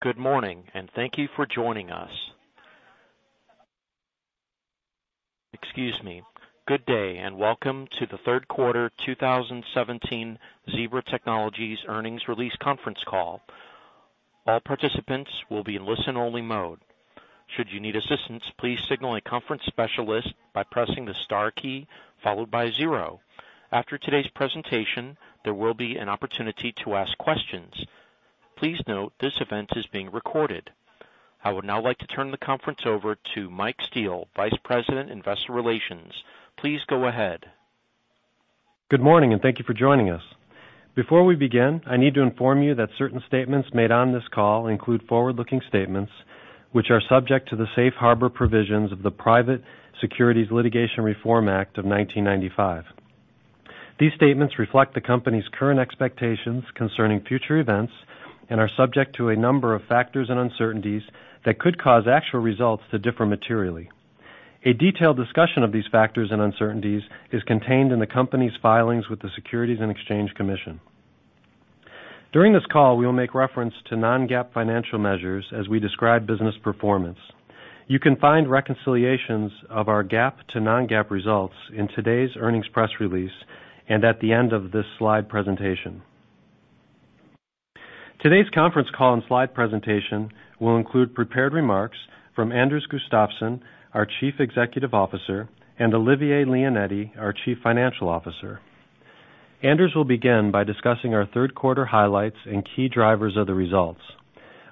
Good morning, and thank you for joining us. Excuse me. Good day, and welcome to the third quarter 2017 Zebra Technologies earnings release conference call. All participants will be in listen-only mode. Should you need assistance, please signal a conference specialist by pressing the star key followed by zero. After today's presentation, there will be an opportunity to ask questions. Please note this event is being recorded. I would now like to turn the conference over to Michael Steele, Vice President, Investor Relations. Please go ahead. Good morning, and thank you for joining us. Before we begin, I need to inform you that certain statements made on this call include forward-looking statements, which are subject to the Safe Harbor provisions of the Private Securities Litigation Reform Act of 1995. These statements reflect the company's current expectations concerning future events and are subject to a number of factors and uncertainties that could cause actual results to differ materially. A detailed discussion of these factors and uncertainties is contained in the company's filings with the Securities and Exchange Commission. During this call, we will make reference to non-GAAP financial measures as we describe business performance. You can find reconciliations of our GAAP to non-GAAP results in today's earnings press release and at the end of this slide presentation. Today's conference call and slide presentation will include prepared remarks from Anders Gustafsson, our Chief Executive Officer, and Olivier Leonetti, our Chief Financial Officer. Anders will begin by discussing our third quarter highlights and key drivers of the results.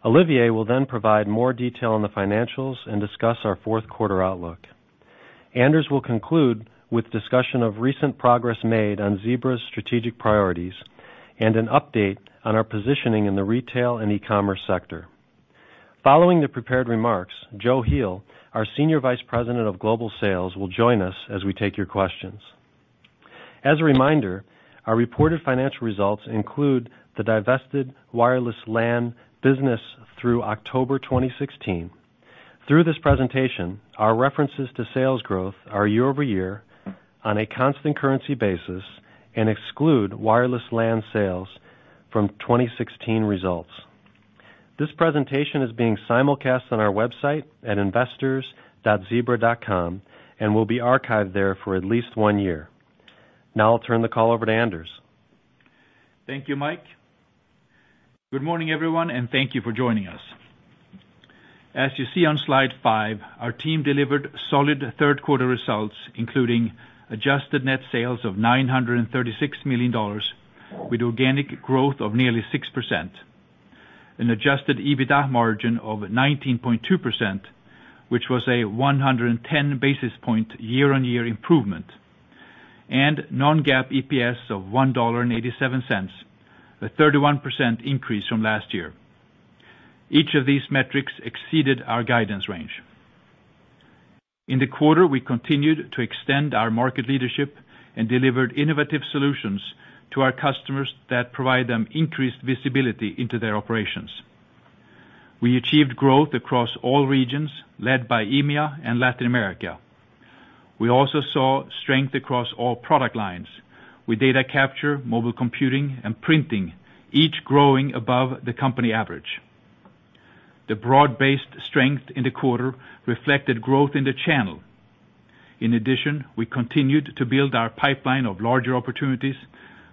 Olivier will then provide more detail on the financials and discuss our fourth quarter outlook. Anders will conclude with discussion of recent progress made on Zebra's strategic priorities and an update on our positioning in the retail and e-commerce sector. Following the prepared remarks, Joachim Heel, our Senior Vice President of Global Sales, will join us as we take your questions. As a reminder, our reported financial results include the divested wireless LAN business through October 2016. Through this presentation, our references to sales growth are year-over-year on a constant currency basis and exclude wireless LAN sales from 2016 results. This presentation is being simulcast on our website at investors.zebra.com and will be archived there for at least one year. Now I'll turn the call over to Anders. Thank you, Mike. Good morning, everyone, and thank you for joining us. As you see on slide five, our team delivered solid third quarter results, including adjusted net sales of $936 million with organic growth of nearly 6%, an adjusted EBITDA margin of 19.2%, which was a 110 basis point year-on-year improvement, and non-GAAP EPS of $1.87, a 31% increase from last year. Each of these metrics exceeded our guidance range. In the quarter, we continued to extend our market leadership and delivered innovative solutions to our customers that provide them increased visibility into their operations. We achieved growth across all regions, led by EMEA and Latin America. We also saw strength across all product lines, with data capture, mobile computing, and printing each growing above the company average. The broad-based strength in the quarter reflected growth in the channel. We continued to build our pipeline of larger opportunities,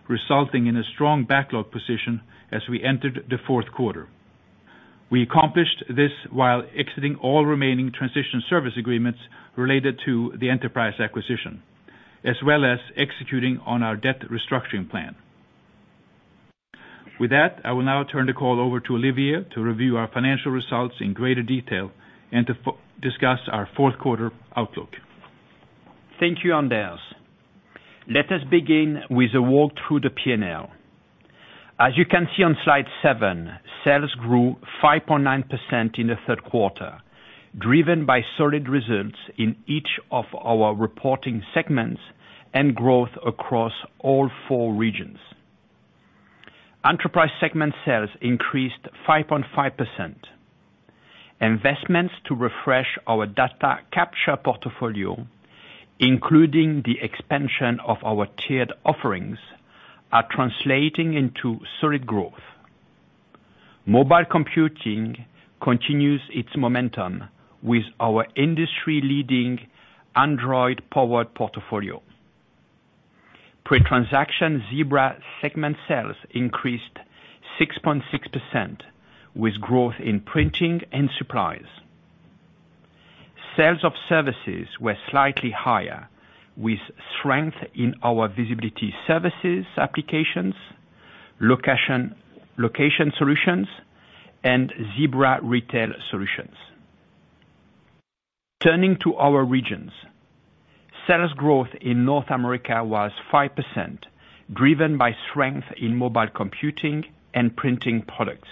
resulting in a strong backlog position as we entered the fourth quarter. We accomplished this while exiting all remaining transition service agreements related to the enterprise acquisition, as well as executing on our debt restructuring plan. With that, I will now turn the call over to Olivier to review our financial results in greater detail and to discuss our fourth quarter outlook. Thank you, Anders. Let us begin with a walk through the P&L. As you can see on slide seven, sales grew 5.9% in the third quarter, driven by solid results in each of our reporting segments and growth across all four regions. Enterprise segment sales increased 5.5%. Investments to refresh our data capture portfolio, including the expansion of our tiered offerings, are translating into solid growth. Mobile computing continues its momentum with our industry leading Android-powered portfolio. Pre-transaction Zebra segment sales increased 6.6%, with growth in printing and supplies. Sales of services were slightly higher, with strength in our visibility services applications, location solutions, and Zebra retail solutions. Turning to our regions. Sales growth in North America was 5%, driven by strength in mobile computing and printing products.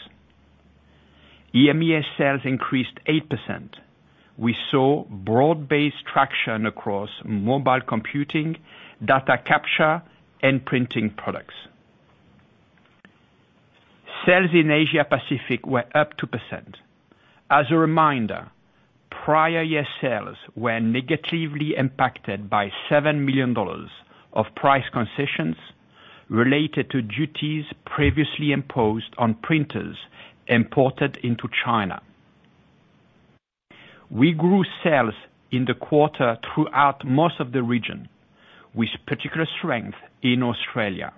EMEA sales increased 8%. We saw broad-based traction across mobile computing, data capture, and printing products. Sales in Asia Pacific were up 2%. As a reminder, prior year sales were negatively impacted by $7 million of price concessions related to duties previously imposed on printers imported into China. We grew sales in the quarter throughout most of the region, with particular strength in Australia.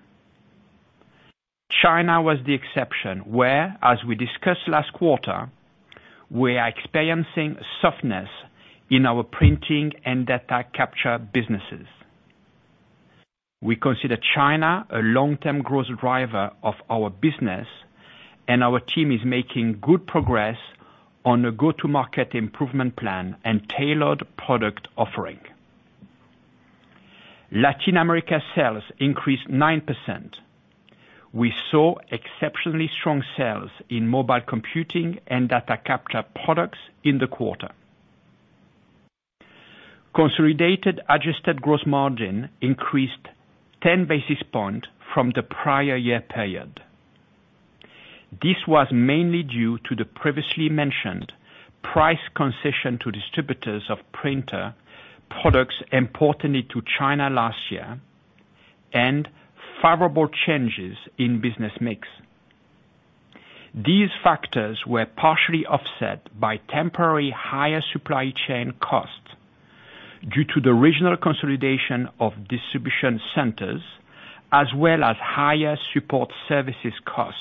China was the exception, where, as we discussed last quarter, we are experiencing softness in our printing and data capture businesses. We consider China a long-term growth driver of our business, and our team is making good progress on a go-to-market improvement plan and tailored product offering. Latin America sales increased 9%. We saw exceptionally strong sales in mobile computing and data capture products in the quarter. Consolidated adjusted gross margin increased 10 basis points from the prior year period. This was mainly due to the previously mentioned price concession to distributors of printer products imported into China last year and favorable changes in business mix. These factors were partially offset by temporary higher supply chain costs due to the regional consolidation of distribution centers, as well as higher support services cost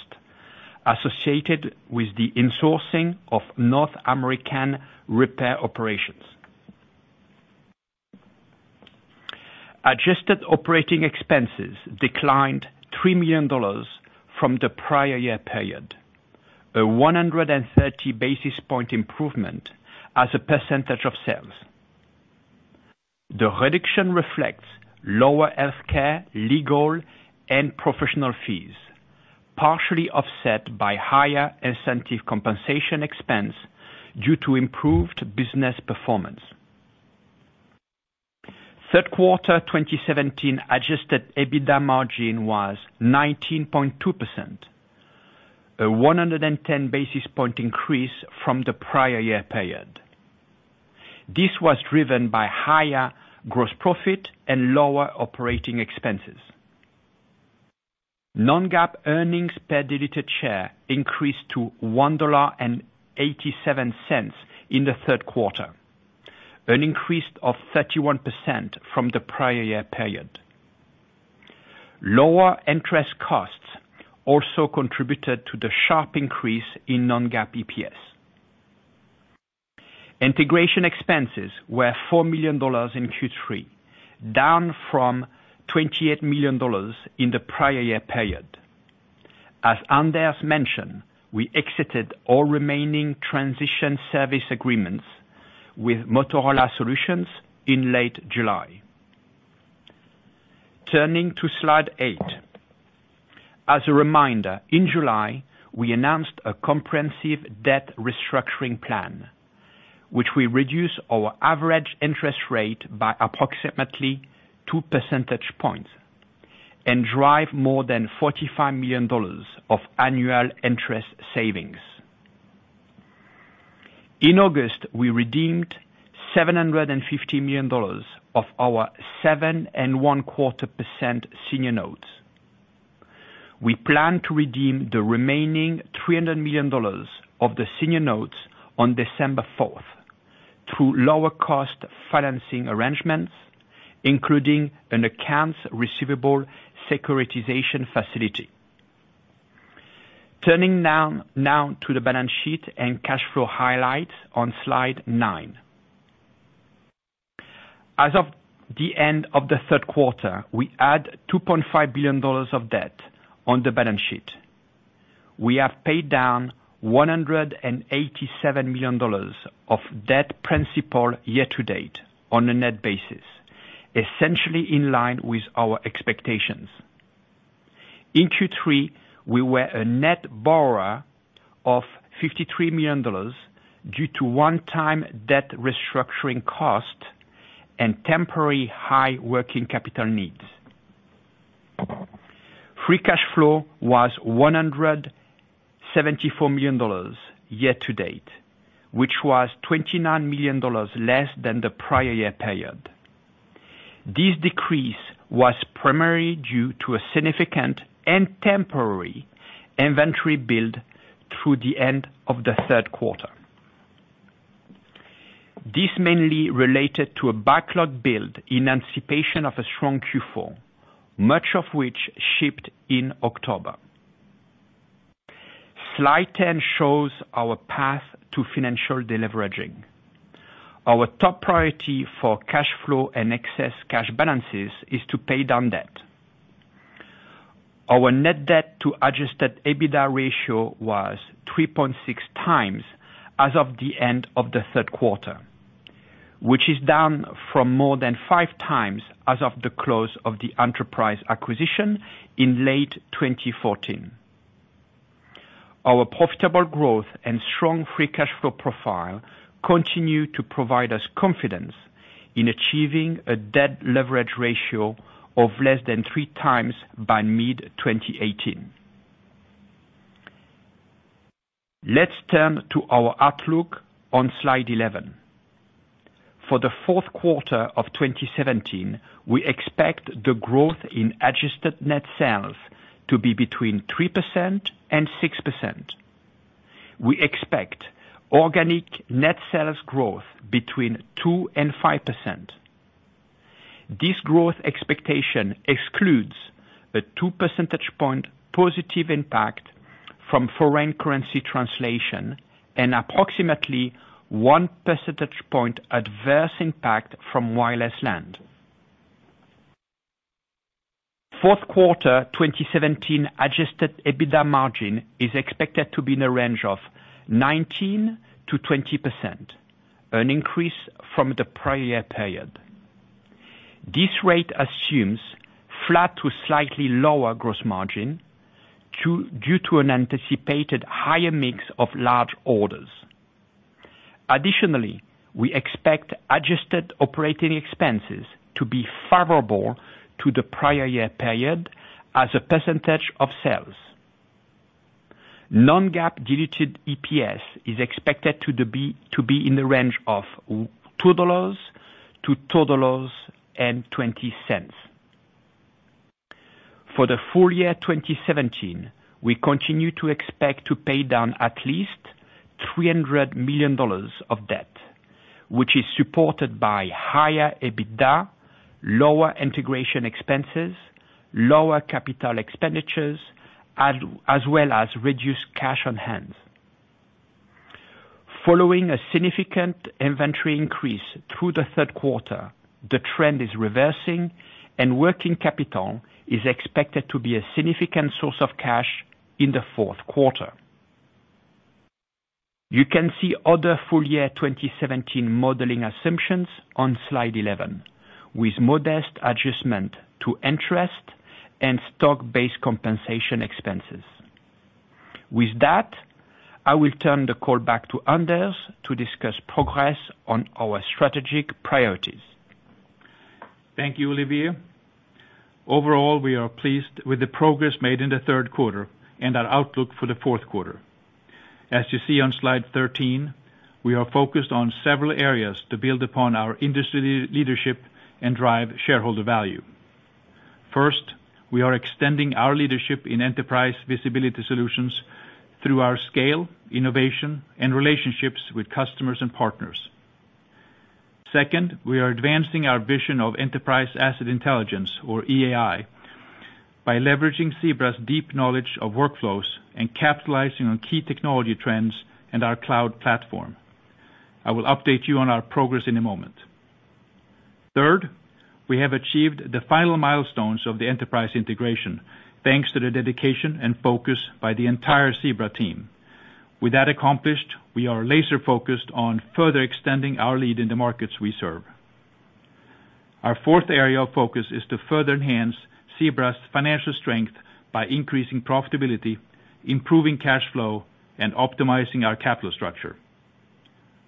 associated with the insourcing of North American repair operations. Adjusted operating expenses declined $3 million from the prior year period, a 130 basis point improvement as a percentage of sales. The reduction reflects lower healthcare, legal, and professional fees, partially offset by higher incentive compensation expense due to improved business performance. Third quarter 2017 adjusted EBITDA margin was 19.2%, a 110 basis point increase from the prior year period. This was driven by higher gross profit and lower operating expenses. Non-GAAP earnings per diluted share increased to $1.87 in the third quarter, an increase of 31% from the prior year period. Lower interest costs also contributed to the sharp increase in non-GAAP EPS. Integration expenses were $4 million in Q3, down from $28 million in the prior year period. As Anders mentioned, we exited all remaining transition service agreements with Motorola Solutions in late July. Turning to slide eight. As a reminder, in July, we announced a comprehensive debt restructuring plan, which will reduce our average interest rate by approximately two percentage points and drive more than $45 million of annual interest savings. In August, we redeemed $750 million of our 7.25% senior notes. We plan to redeem the remaining $300 million of the senior notes on December 4th through lower cost financing arrangements, including an accounts receivable securitization facility. Turning now to the balance sheet and cash flow highlights on slide nine. As of the end of the third quarter, we had $2.5 billion of debt on the balance sheet. We have paid down $187 million of debt principal year to date on a net basis, essentially in line with our expectations. In Q3, we were a net borrower of $53 million due to one-time debt restructuring cost and temporary high working capital needs. Free cash flow was $174 million year to date, which was $29 million less than the prior year period. This decrease was primarily due to a significant and temporary inventory build through the end of the third quarter. This mainly related to a backlog build in anticipation of a strong Q4, much of which shipped in October. Slide 10 shows our path to financial deleveraging. Our top priority for cash flow and excess cash balances is to pay down debt. Our net debt to adjusted EBITDA ratio was 3.6 times as of the end of the third quarter, which is down from more than five times as of the close of the Enterprise acquisition in late 2014. Our profitable growth and strong free cash flow profile continue to provide us confidence in achieving a debt leverage ratio of less than three times by mid-2018. Let's turn to our outlook on slide 11. For the fourth quarter of 2017, we expect the growth in adjusted net sales to be between 3% and 6%. We expect organic net sales growth between 2% and 5%. This growth expectation excludes a two percentage point positive impact from foreign currency translation and approximately one percentage point adverse impact from wireless LAN. Fourth quarter 2017 adjusted EBITDA margin is expected to be in the range of 19%-20%, an increase from the prior period. This rate assumes flat to slightly lower gross margin due to an anticipated higher mix of large orders. Additionally, we expect adjusted operating expenses to be favorable to the prior year period as a percentage of sales. Non-GAAP diluted EPS is expected to be in the range of $2-$2.20. For the full year 2017, we continue to expect to pay down at least $300 million of debt, which is supported by higher EBITDA, lower integration expenses, lower capital expenditures, as well as reduced cash on hand. Following a significant inventory increase through the third quarter, the trend is reversing, and working capital is expected to be a significant source of cash in the fourth quarter. You can see other full year 2017 modeling assumptions on slide 11, with modest adjustment to interest and stock-based compensation expenses. With that, I will turn the call back to Anders to discuss progress on our strategic priorities. Thank you, Olivier. Overall, we are pleased with the progress made in the third quarter and our outlook for the fourth quarter. As you see on slide 13, we are focused on several areas to build upon our industry leadership and drive shareholder value. First, we are extending our leadership in enterprise visibility solutions through our scale, innovation, and relationships with customers and partners. Second, we are advancing our vision of Enterprise Asset Intelligence, or EAI, by leveraging Zebra's deep knowledge of workflows and capitalizing on key technology trends and our cloud platform. I will update you on our progress in a moment. Third, we have achieved the final milestones of the enterprise integration, thanks to the dedication and focus by the entire Zebra team. With that accomplished, we are laser focused on further extending our lead in the markets we serve. Our fourth area of focus is to further enhance Zebra's financial strength by increasing profitability, improving cash flow, and optimizing our capital structure.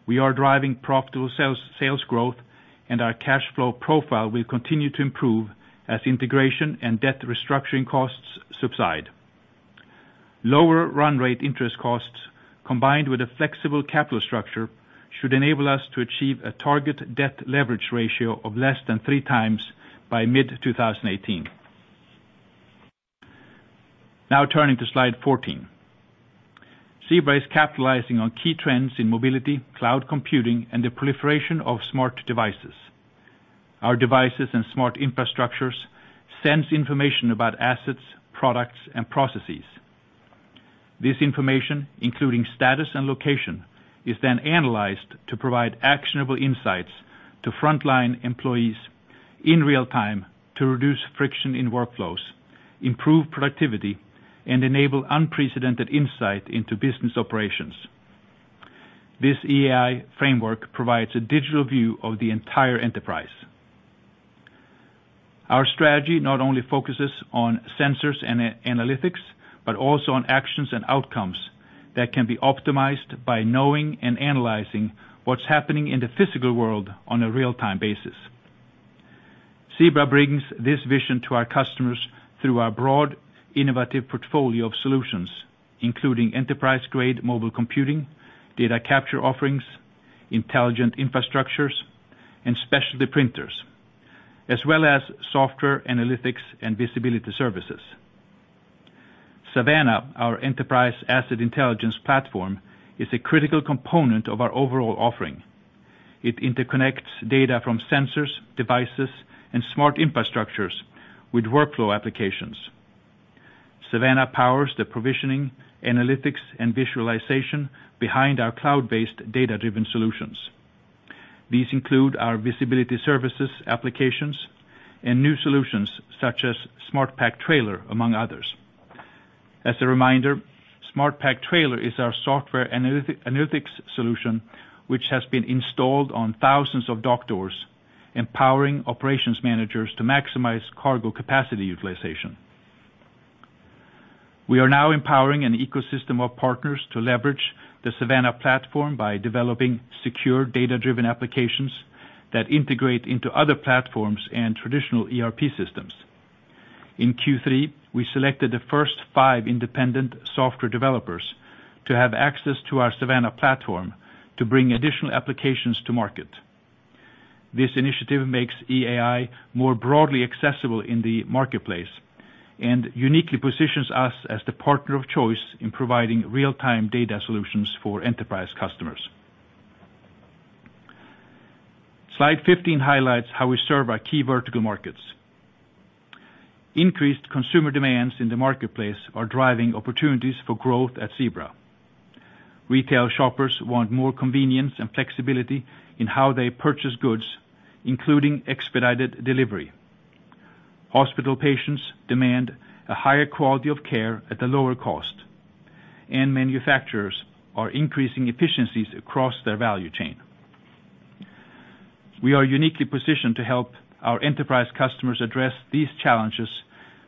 We are driving profitable sales growth, and our cash flow profile will continue to improve as integration and debt restructuring costs subside. Lower run rate interest costs, combined with a flexible capital structure, should enable us to achieve a target debt leverage ratio of less than three times by mid-2018. Now turning to slide 14. Zebra is capitalizing on key trends in mobility, cloud computing, and the proliferation of smart devices. Our devices and smart infrastructures sense information about assets, products, and processes. This information, including status and location, is then analyzed to provide actionable insights to frontline employees in real time to reduce friction in workflows, improve productivity, and enable unprecedented insight into business operations. This EAI framework provides a digital view of the entire enterprise. Our strategy not only focuses on sensors and analytics, but also on actions and outcomes that can be optimized by knowing and analyzing what's happening in the physical world on a real-time basis. Zebra brings this vision to our customers through our broad, innovative portfolio of solutions, including enterprise-grade mobile computing, data capture offerings, intelligent infrastructures, and specialty printers, as well as software analytics and visibility services. Savanna, our Enterprise Asset Intelligence platform, is a critical component of our overall offering. It interconnects data from sensors, devices, and smart infrastructures with workflow applications. Savanna powers the provisioning, analytics, and visualization behind our cloud-based, data-driven solutions. These include our visibility services applications and new solutions such as SmartPack Trailer, among others. As a reminder, SmartPack Trailer is our software analytics solution, which has been installed on thousands of dock doors, empowering operations managers to maximize cargo capacity utilization. We are now empowering an ecosystem of partners to leverage the Savanna platform by developing secure data-driven applications That integrate into other platforms and traditional ERP systems. In Q3, we selected the first five independent software developers to have access to our Savanna platform to bring additional applications to market. This initiative makes EAI more broadly accessible in the marketplace and uniquely positions us as the partner of choice in providing real-time data solutions for enterprise customers. Slide 15 highlights how we serve our key vertical markets. Increased consumer demands in the marketplace are driving opportunities for growth at Zebra. Retail shoppers want more convenience and flexibility in how they purchase goods, including expedited delivery. Hospital patients demand a higher quality of care at a lower cost, manufacturers are increasing efficiencies across their value chain. We are uniquely positioned to help our enterprise customers address these challenges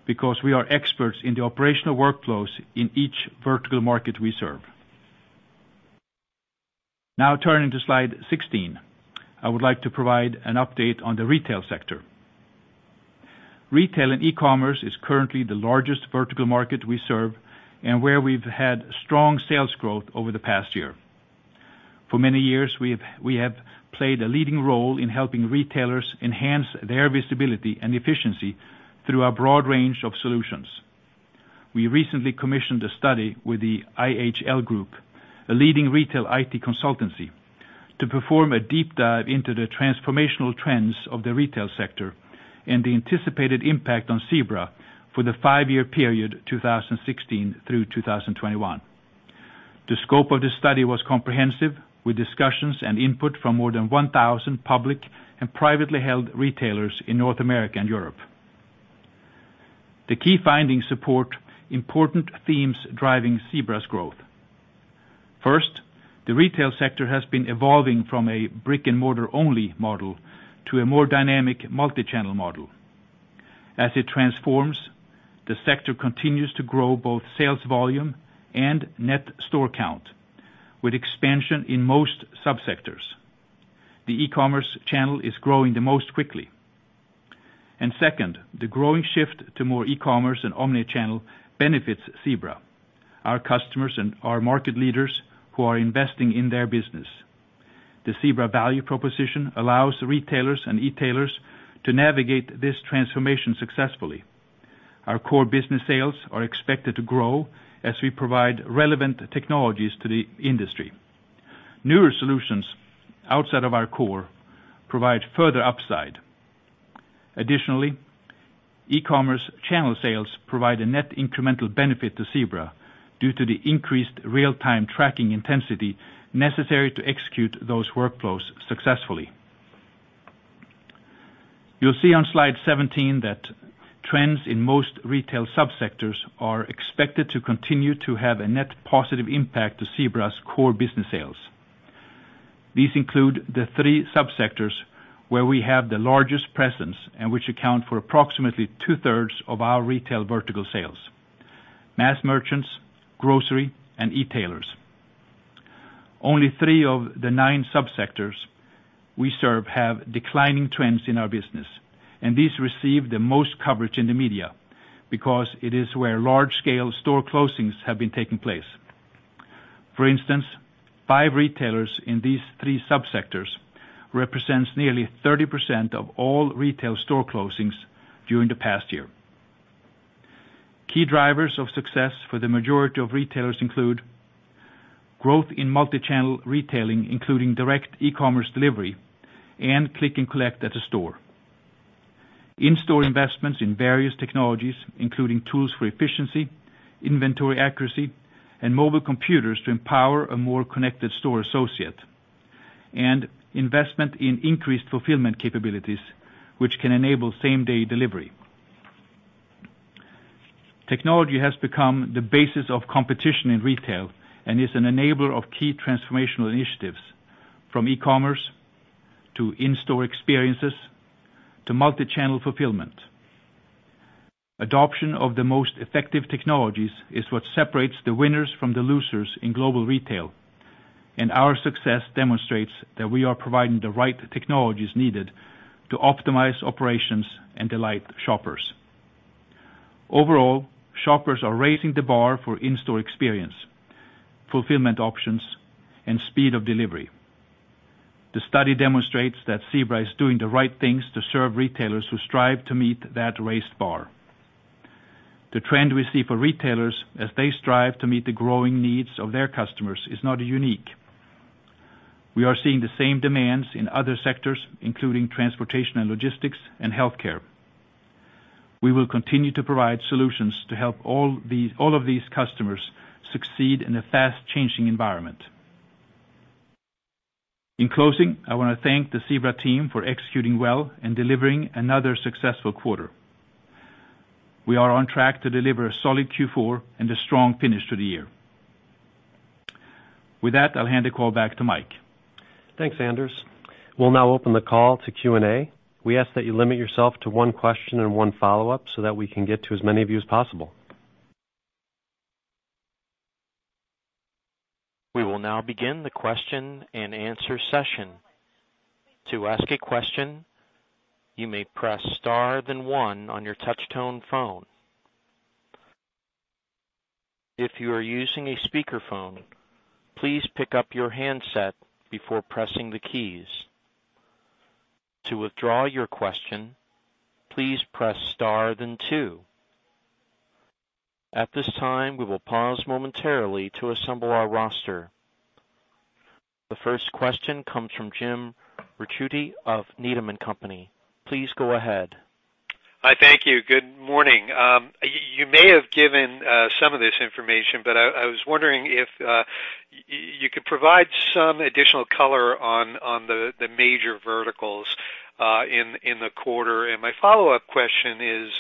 because we are experts in the operational workflows in each vertical market we serve. Now turning to slide 16, I would like to provide an update on the retail sector. Retail and e-commerce is currently the largest vertical market we serve and where we've had strong sales growth over the past year. For many years, we have played a leading role in helping retailers enhance their visibility and efficiency through our broad range of solutions. We recently commissioned a study with the IHL Group, a leading retail IT consultancy, to perform a deep dive into the transformational trends of the retail sector and the anticipated impact on Zebra for the five-year period, 2016 through 2021. The scope of the study was comprehensive, with discussions and input from more than 1,000 public and privately held retailers in North America and Europe. The key findings support important themes driving Zebra's growth. First, the retail sector has been evolving from a brick-and-mortar-only model to a more dynamic multi-channel model. As it transforms, the sector continues to grow both sales volume and net store count, with expansion in most subsectors. The e-commerce channel is growing the most quickly. Second, the growing shift to more e-commerce and omni-channel benefits Zebra, our customers, and our market leaders who are investing in their business. The Zebra value proposition allows retailers and e-tailers to navigate this transformation successfully. Our core business sales are expected to grow as we provide relevant technologies to the industry. Newer solutions outside of our core provide further upside. Additionally, e-commerce channel sales provide a net incremental benefit to Zebra due to the increased real-time tracking intensity necessary to execute those workflows successfully. You'll see on slide 17 that trends in most retail subsectors are expected to continue to have a net positive impact to Zebra's core business sales. These include the three subsectors where we have the largest presence and which account for approximately two-thirds of our retail vertical sales: mass merchants, grocery, and e-tailers. Only three of the nine subsectors we serve have declining trends in our business, and these receive the most coverage in the media because it is where large-scale store closings have been taking place. For instance, five retailers in these three subsectors represents nearly 30% of all retail store closings during the past year. Key drivers of success for the majority of retailers include growth in multi-channel retailing, including direct e-commerce delivery and click and collect at a store. In-store investments in various technologies, including tools for efficiency, inventory accuracy, and mobile computers to empower a more connected store associate, and investment in increased fulfillment capabilities, which can enable same-day delivery. Technology has become the basis of competition in retail and is an enabler of key transformational initiatives, from e-commerce to in-store experiences to multi-channel fulfillment. Adoption of the most effective technologies is what separates the winners from the losers in global retail, and our success demonstrates that we are providing the right technologies needed to optimize operations and delight shoppers. Overall, shoppers are raising the bar for in-store experience, fulfillment options, and speed of delivery. The study demonstrates that Zebra is doing the right things to serve retailers who strive to meet that raised bar. The trend we see for retailers as they strive to meet the growing needs of their customers is not unique. We are seeing the same demands in other sectors, including transportation and logistics and healthcare. We will continue to provide solutions to help all of these customers succeed in a fast-changing environment. In closing, I want to thank the Zebra team for executing well and delivering another successful quarter. We are on track to deliver a solid Q4 and a strong finish to the year. With that, I'll hand the call back to Mike. Thanks, Anders. We'll now open the call to Q&A. We ask that you limit yourself to one question and one follow-up so that we can get to as many of you as possible. We will now begin the question and answer session. To ask a question, you may press star then one on your touchtone phone. If you are using a speakerphone, please pick up your handset before pressing the keys. To withdraw your question, please press star then two. At this time, we will pause momentarily to assemble our roster. The first question comes from Jim Ricchiuti of Needham & Company. Please go ahead. Hi. Thank you. Good morning. You may have given some of this information, but I was wondering if you could provide some additional color on the major verticals in the quarter. My follow-up question is,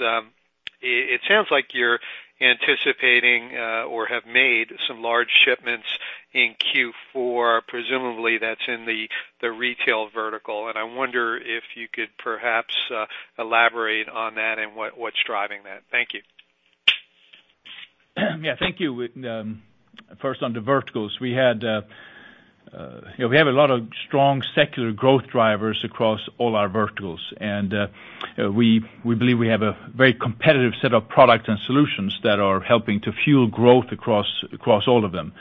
it sounds like you're anticipating or have made some large shipments in Q4, presumably that's in the retail vertical, and I wonder if you could perhaps elaborate on that and what's driving that. Thank you. Thank you. First, on the verticals. We have a lot of strong secular growth drivers across all our verticals, and we believe we have a very competitive set of products and solutions that are helping to fuel growth across all of them.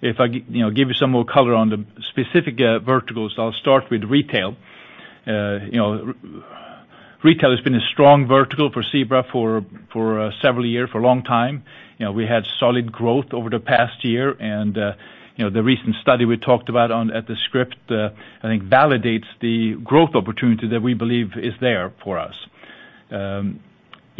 If I give you some more color on the specific verticals, I'll start with retail. Retail has been a strong vertical for Zebra for several years, for a long time. We had solid growth over the past year, The recent study we talked about at the script, I think, validates the growth opportunity that we believe is there for us. The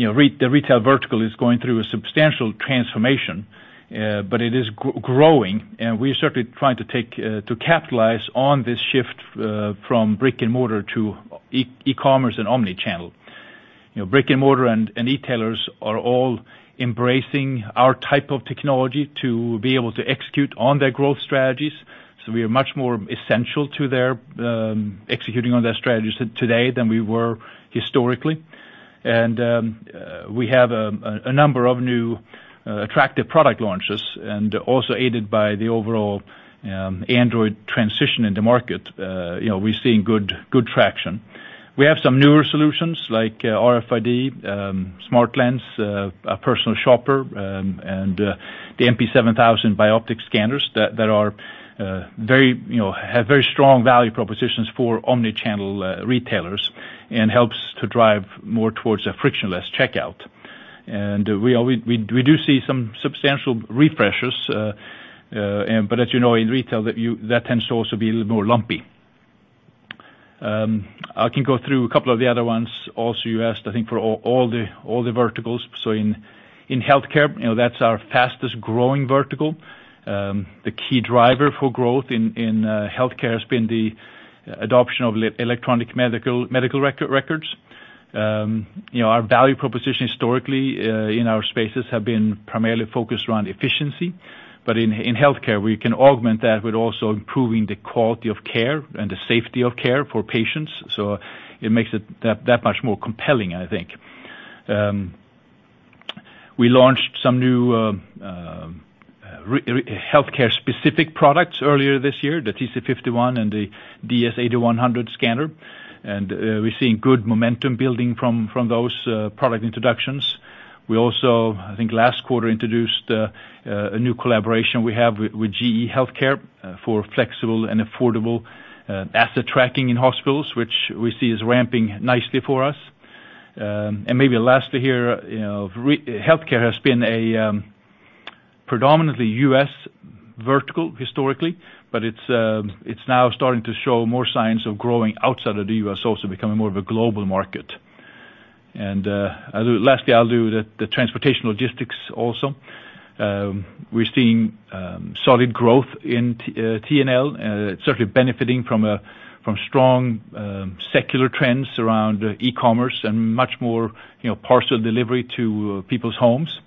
retail vertical is going through a substantial transformation, It is growing, and we are certainly trying to capitalize on this shift from brick and mortar to e-commerce and omni-channel. Brick and mortar and e-tailers are all embracing our type of technology to be able to execute on their growth strategies. We are much more essential to their executing on their strategies today than we were historically. We have a number of new attractive product launches and also aided by the overall Android transition in the market. We're seeing good traction. We have some newer solutions like RFID, SmartLens, Personal Shopper, and the MP7000 Bioptic Scanners that have very strong value propositions for omni-channel retailers and helps to drive more towards a frictionless checkout. We do see some substantial refreshes, As you know, in retail, that tends to also be a little more lumpy. I can go through a couple of the other ones. Also, you asked, I think, for all the verticals. In healthcare, that's our fastest-growing vertical. The key driver for growth in healthcare has been the adoption of electronic medical records. Our value proposition historically in our spaces have been primarily focused around efficiency. In healthcare, we can augment that with also improving the quality of care and the safety of care for patients. It makes it that much more compelling, I think. We launched some new healthcare-specific products earlier this year, the TC51 and the DS8100 scanner. We're seeing good momentum building from those product introductions. We also, I think last quarter, introduced a new collaboration we have with GE Healthcare for flexible and affordable asset tracking in hospitals, which we see is ramping nicely for us. Lastly here, healthcare has been a predominantly U.S. vertical historically, but it's now starting to show more signs of growing outside of the U.S. also, becoming more of a global market. Lastly, I'll do the transportation logistics also. We're seeing solid growth in T&L, certainly benefiting from strong secular trends around e-commerce and much more parcel delivery to people's homes.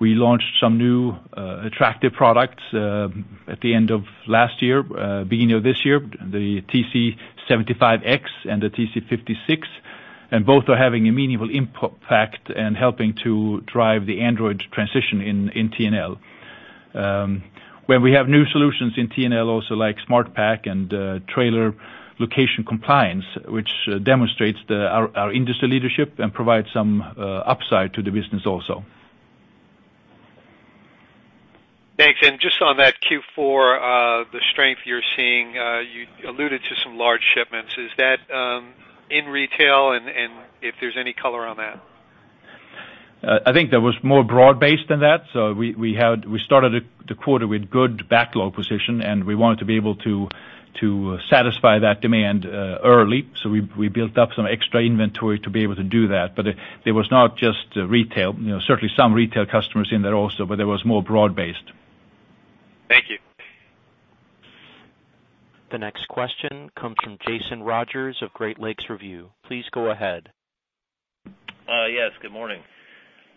We launched some new attractive products at the end of last year, beginning of this year, the TC75x and the TC56, and both are having a meaningful impact in helping to drive the Android transition in T&L. Where we have new solutions in T&L also like SmartPack and Trailer Location Compliance, which demonstrates our industry leadership and provides some upside to the business also. Thanks. Just on that Q4, the strength you're seeing, you alluded to some large shipments. Is that in retail, and if there's any color on that? I think that was more broad-based than that. We started the quarter with good backlog position, and we wanted to be able to satisfy that demand early. We built up some extra inventory to be able to do that. There was not just retail. Certainly some retail customers in there also, but there was more broad-based. Thank you. The next question comes from Jason Rogers of Great Lakes Review. Please go ahead. Yes, good morning.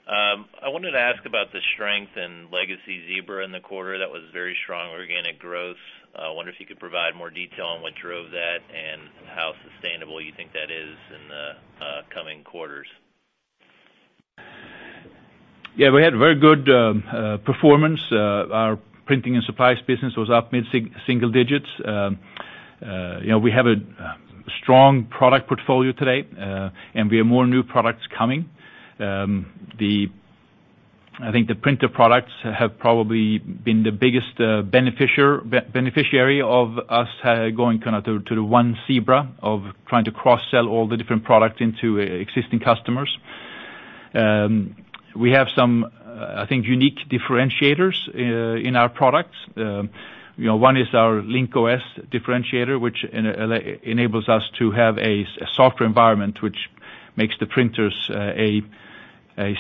I wanted to ask about the strength in legacy Zebra in the quarter. That was very strong organic growth. I wonder if you could provide more detail on what drove that and how sustainable you think that is in the coming quarters. Yeah, we had very good performance. Our printing and supplies business was up mid-single digits. We have a strong product portfolio today, and we have more new products coming. I think the printer products have probably been the biggest beneficiary of us going to the one Zebra of trying to cross-sell all the different products into existing customers. We have some, I think, unique differentiators in our products. One is our Link-OS differentiator, which enables us to have a software environment, which makes the printers a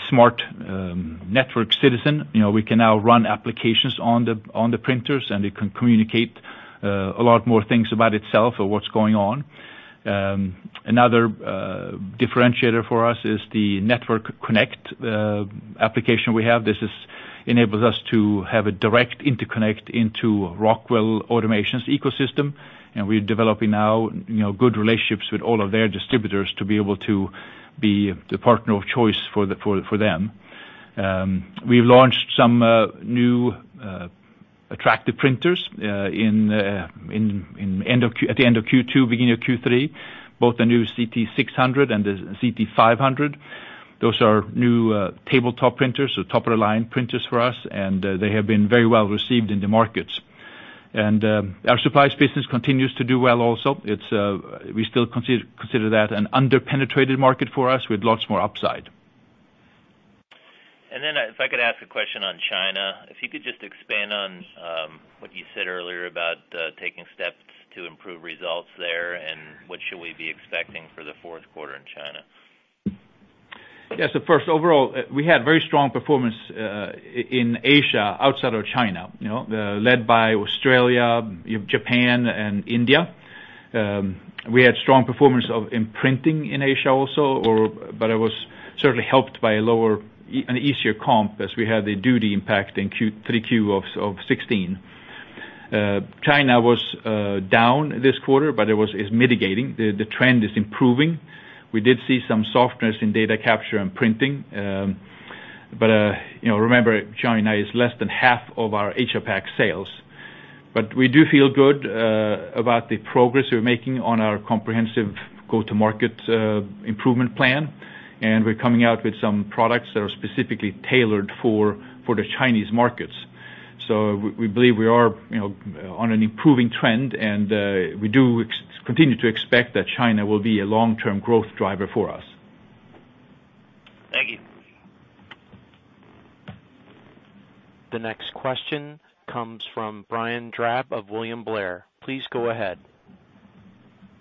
smart network citizen. We can now run applications on the printers, and it can communicate a lot more things about itself or what's going on. Another differentiator for us is the Network Connect application we have. This enables us to have a direct interconnect into Rockwell Automation's ecosystem, we're developing now good relationships with all of their distributors to be able to be the partner of choice for them. We've launched some new attractive printers at the end of Q2, beginning of Q3, both the new ZT600 and the ZT500. Those are new tabletop printers, so top-of-the-line printers for us, they have been very well received in the markets. Our supplies business continues to do well also. We still consider that an under-penetrated market for us with lots more upside. If I could ask a question on China. If you could just expand on what you said earlier about taking steps to improve results there, what should we be expecting for the fourth quarter in China? Yes. First, overall, we had very strong performance in Asia, outside of China, led by Australia, Japan, and India. We had strong performance of printing in Asia also, it was certainly helped by an easier comp as we had the duty impact in 3Q of 2016. China was down this quarter, it's mitigating. The trend is improving. We did see some softness in data capture and printing. Remember, China is less than half of our APAC sales. We do feel good about the progress we're making on our comprehensive go-to-market improvement plan, we're coming out with some products that are specifically tailored for the Chinese markets. We believe we are on an improving trend, we do continue to expect that China will be a long-term growth driver for us. Thank you. The next question comes from Brian Drab of William Blair. Please go ahead.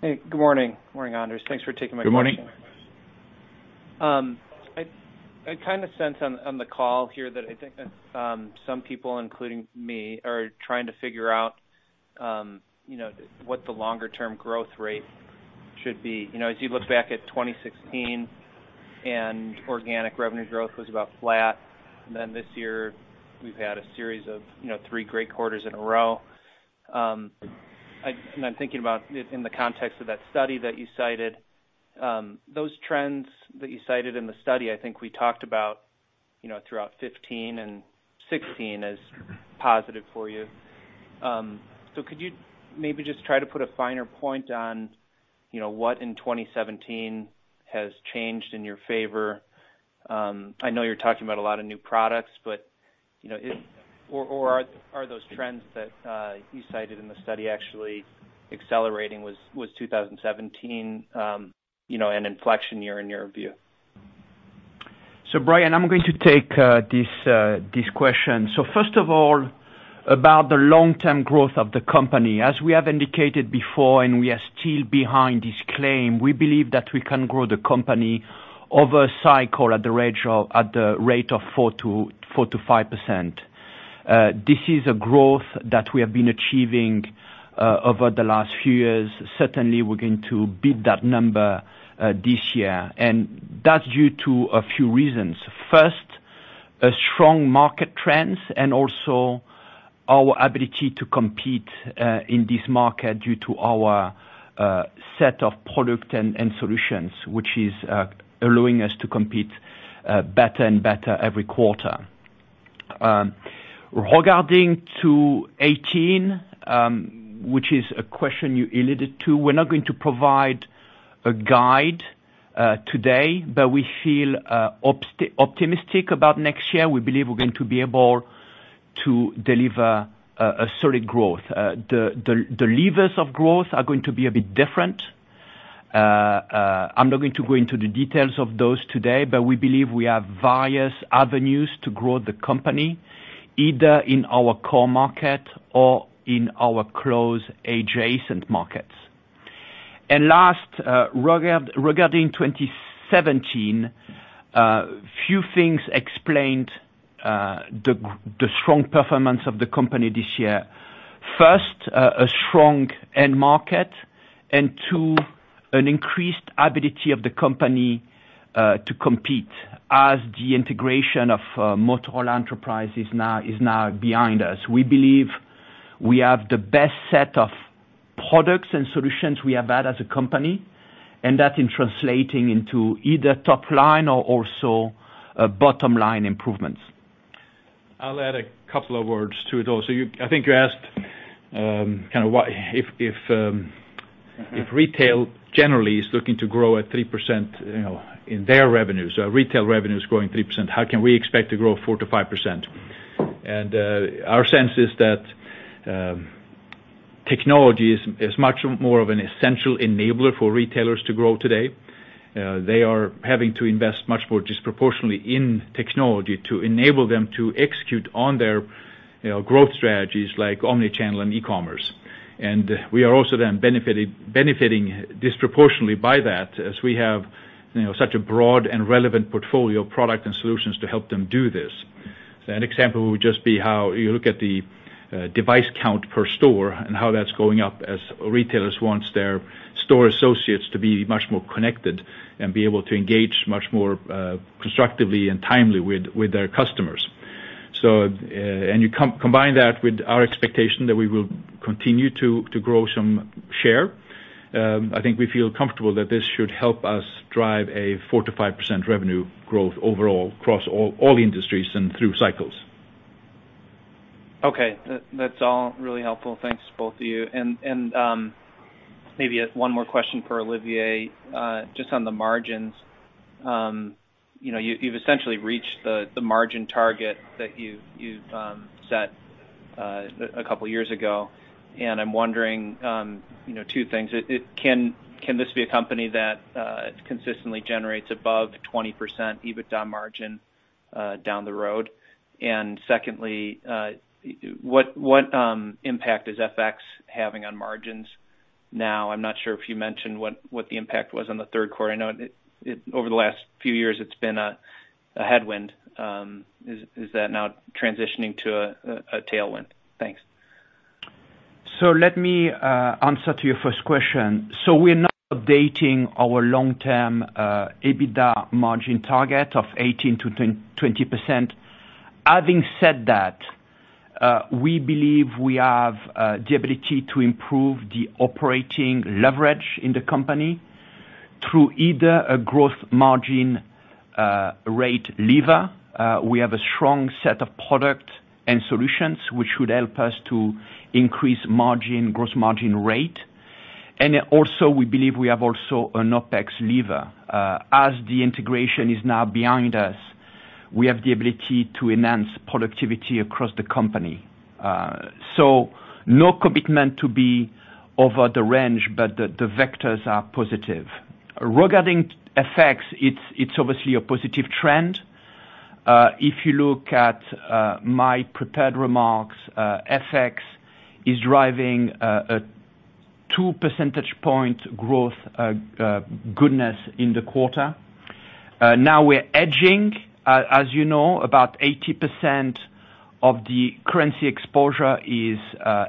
Hey, good morning. Morning, Anders. Thanks for taking my question. Good morning. I sense on the call here that I think that some people, including me, are trying to figure out what the longer-term growth rate should be. As you look back at 2016 and organic revenue growth was about flat, then this year we've had a series of three great quarters in a row. I'm thinking about it in the context of that study that you cited. Those trends that you cited in the study, I think we talked about throughout 2015 and 2016 as positive for you. Could you maybe just try to put a finer point on what in 2017 has changed in your favor? I know you're talking about a lot of new products, or are those trends that you cited in the study actually accelerating? Was 2017 an inflection year in your view? Brian, I'm going to take this question. First of all, about the long-term growth of the company. As we have indicated before, and we are still behind this claim, we believe that we can grow the company over a cycle at the rate of 4%-5%. This is a growth that we have been achieving over the last few years. Certainly, we're going to beat that number this year, and that's due to a few reasons. First, strong market trends and also our ability to compete in this market due to our set of product and solutions, which is allowing us to compete better and better every quarter. Regarding 2018, which is a question you alluded to, we're not going to provide a guide today, but we feel optimistic about next year. We believe we're going to be able to deliver a solid growth. The levers of growth are going to be a bit different. I'm not going to go into the details of those today, but we believe we have various avenues to grow the company, either in our core market or in our close adjacent markets. Last, regarding 2017, a few things explained the strong performance of the company this year. First, a strong end market, and two, an increased ability of the company to compete as the integration of Motorola Enterprise is now behind us. We believe we have the best set of products and solutions we have had as a company, and that in translating into either top line or also bottom line improvements. I'll add a couple of words to it all. I think you asked if retail generally is looking to grow at 3% in their revenues, retail revenues growing 3%, how can we expect to grow 4%-5%? Our sense is that technology is much more of an essential enabler for retailers to grow today. They are having to invest much more disproportionately in technology to enable them to execute on their growth strategies like omni-channel and e-commerce. We are also then benefiting disproportionately by that, as we have such a broad and relevant portfolio of product and solutions to help them do this. An example would just be how you look at the device count per store and how that's going up as retailers want their store associates to be much more connected and be able to engage much more constructively and timely with their customers. You combine that with our expectation that we will continue to grow some share. I think we feel comfortable that this should help us drive a 4%-5% revenue growth overall across all industries and through cycles. Okay. That's all really helpful. Thanks to both of you. Maybe one more question for Olivier, just on the margins. You've essentially reached the margin target that you've set a couple of years ago, and I'm wondering two things. Can this be a company that consistently generates above 20% EBITDA margin down the road? Secondly, what impact is FX having on margins now? I'm not sure if you mentioned what the impact was on the third quarter. I know over the last few years it's been a headwind. Is that now transitioning to a tailwind? Thanks. Let me answer to your first question. We're not updating our long-term EBITDA margin target of 18%-20%. Having said that, we believe we have the ability to improve the operating leverage in the company through either a growth margin rate lever. We have a strong set of product and solutions, which should help us to increase gross margin rate. Also, we believe we have also an OpEx lever. As the integration is now behind us, we have the ability to enhance productivity across the company. No commitment to be over the range, but the vectors are positive. Regarding FX, it's obviously a positive trend. If you look at my prepared remarks, FX is driving a two percentage point growth goodness in the quarter. Now we're hedging. As you know, about 80% of the currency exposure is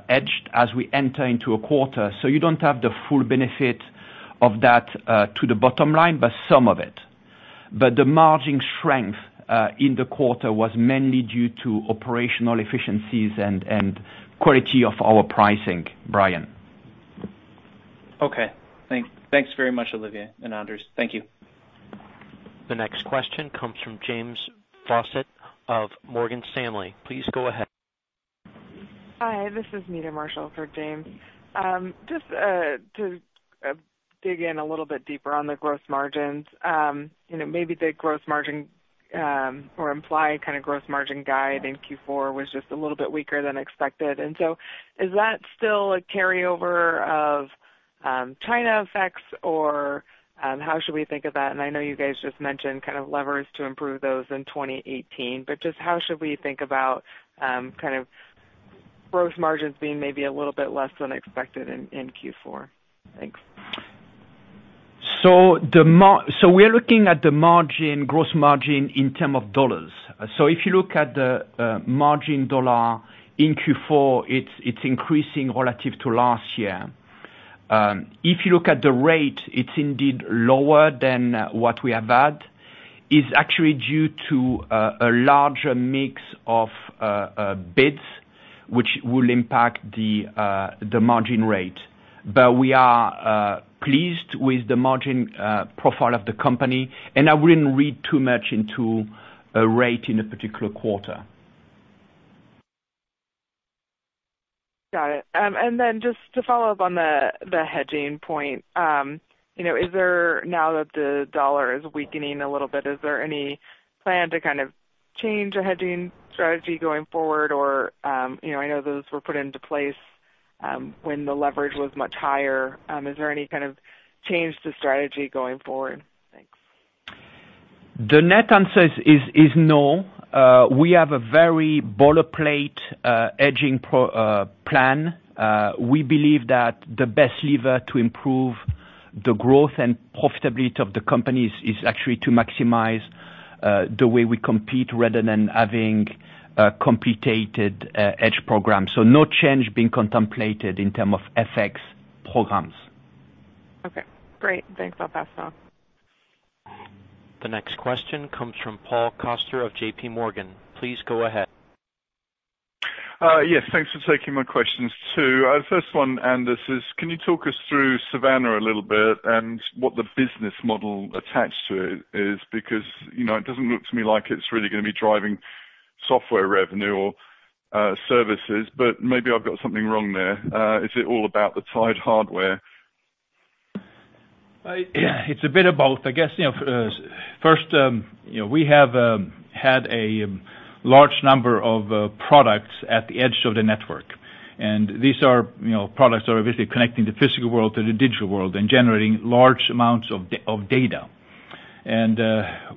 hedged as we enter into a quarter. You don't have the full benefit of that to the bottom line, but some of it. The margin strength in the quarter was mainly due to operational efficiencies and quality of our pricing, Brian. Okay. Thanks very much, Olivier and Anders. Thank you. The next question comes from James Faucette of Morgan Stanley. Please go ahead. Hi, this is Nita Marshall for James. Just to dig in a little bit deeper on the gross margins. Maybe the gross margin or implied kind of gross margin guide in Q4 was just a little bit weaker than expected. Is that still a carryover of China effects or how should we think of that? I know you guys just mentioned kind of levers to improve those in 2018, but just how should we think about kind of gross margins being maybe a little bit less than expected in Q4? Thanks. We're looking at the gross margin in terms of dollars. If you look at the margin dollars in Q4, it's increasing relative to last year. If you look at the rate, it's indeed lower than what we have had, is actually due to a larger mix of bids, which will impact the margin rate. We are pleased with the margin profile of the company, and I wouldn't read too much into a rate in a particular quarter. Got it. Just to follow up on the hedging point. Now that the dollar is weakening a little bit, is there any plan to kind of change a hedging strategy going forward? I know those were put into place when the leverage was much higher. Is there any kind of change to strategy going forward? Thanks. The net answer is no. We have a very boilerplate hedging plan. We believe that the best lever to improve the growth and profitability of the company is actually to maximize the way we compete rather than having a complicated hedge program. No change being contemplated in term of FX programs. Okay, great. Thanks. I'll pass it on The next question comes from Paul Coster of JPMorgan. Please go ahead. Yes, thanks for taking my questions too. First one, Anders, can you talk us through Savanna a little bit and what the business model attached to it is? It doesn't look to me like it's really going to be driving software revenue or services, but maybe I've got something wrong there. Is it all about the tied hardware? It's a bit of both. I guess, first, we have had a large number of products at the edge of the network. These are products that are obviously connecting the physical world to the digital world and generating large amounts of data.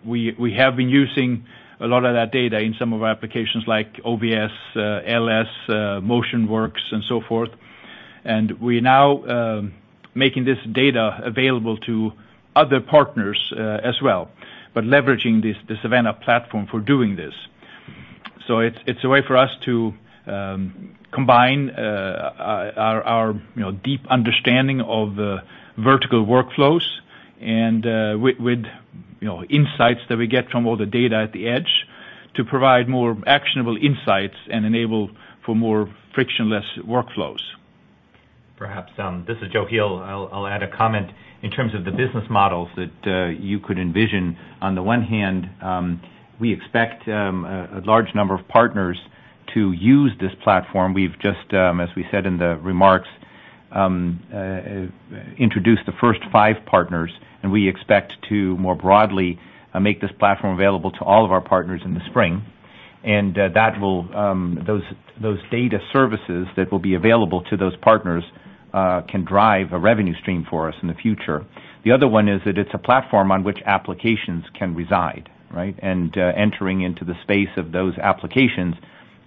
We have been using a lot of that data in some of our applications like OVS, LS, MotionWorks, and so forth. We're now making this data available to other partners as well, but leveraging the Savanna platform for doing this. It's a way for us to combine our deep understanding of vertical workflows and with insights that we get from all the data at the edge to provide more actionable insights and enable for more frictionless workflows. Perhaps, this is Joachim Heel. I'll add a comment in terms of the business models that you could envision. On the one hand, we expect a large number of partners to use this platform. We've just, as we said in the remarks, introduced the first five partners, and we expect to more broadly make this platform available to all of our partners in the spring. Those data services that will be available to those partners can drive a revenue stream for us in the future. The other one is that it's a platform on which applications can reside. Entering into the space of those applications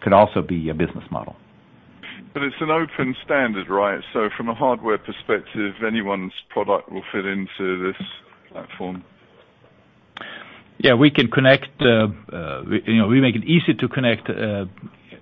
could also be a business model. It's an open standard, right? From a hardware perspective, anyone's product will fit into this platform. We make it easy to connect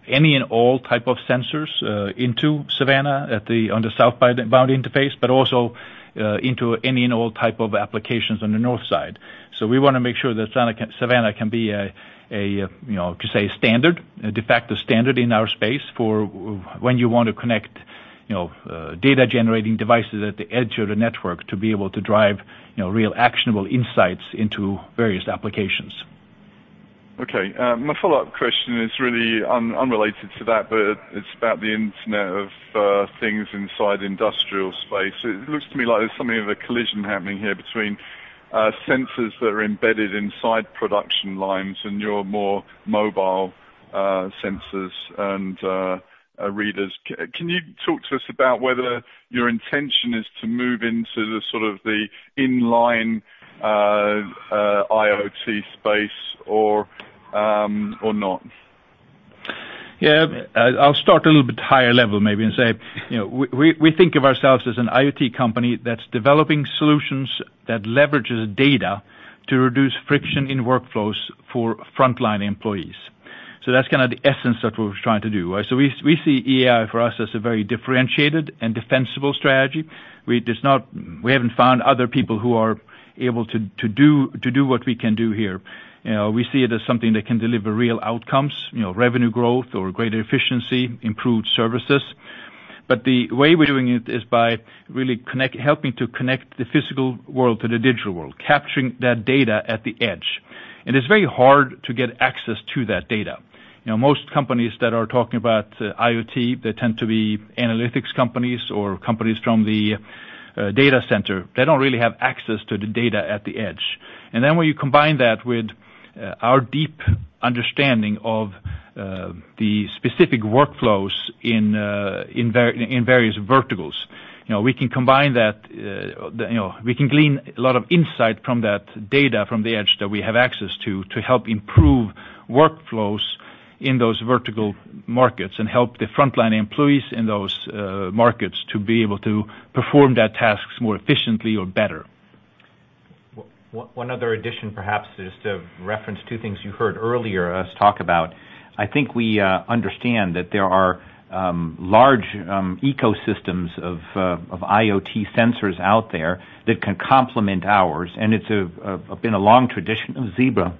any and all type of sensors into Savanna on the southbound interface, but also into any and all type of applications on the north side. We want to make sure that Savanna can be a, to say, de facto standard in our space for when you want to connect data generating devices at the edge of the network to be able to drive real actionable insights into various applications. Okay. My follow-up question is really unrelated to that, but it's about the Internet of Things inside industrial space. It looks to me like there's something of a collision happening here between sensors that are embedded inside production lines and your more mobile sensors and readers. Can you talk to us about whether your intention is to move into the sort of the inline IoT space or not? I'll start a little bit higher level maybe and say we think of ourselves as an IoT company that's developing solutions that leverage the data to reduce friction in workflows for frontline employees. That's kind of the essence of what we're trying to do. We see EAI for us as a very differentiated and defensible strategy. We haven't found other people who are able to do what we can do here. We see it as something that can deliver real outcomes, revenue growth or greater efficiency, improved services. The way we're doing it is by really helping to connect the physical world to the digital world, capturing that data at the edge. It's very hard to get access to that data. Most companies that are talking about IoT, they tend to be analytics companies or companies from the data center. They don't really have access to the data at the edge. When you combine that with our deep understanding of the specific workflows in various verticals, we can glean a lot of insight from that data from the edge that we have access to help improve workflows in those vertical markets and help the frontline employees in those markets to be able to perform their tasks more efficiently or better. One other addition, perhaps, is to reference two things you heard earlier us talk about. I think we understand that there are large ecosystems of IoT sensors out there that can complement ours, it's been a long tradition of Zebra,